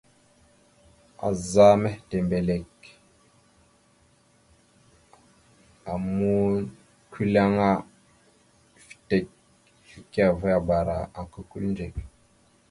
Azzá mehitembelek a mʉkʉleŋá fitek ekeveabara aka kʉliŋdzek.